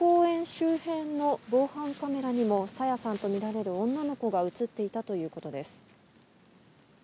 周辺の防犯カメラにも朝芽さんとみられる女の子が映っていたということです。